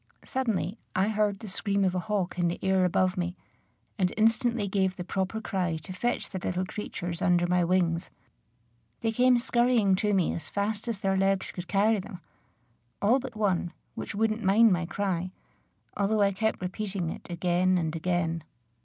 Suddenly I heard the scream of a hawk in the air above me, and instantly gave the proper cry to fetch the little creatures under my wings. They came scurrying to me as fast as their legs could carry them, all but one, which wouldn't mind my cry, although I kept repeating it again and again.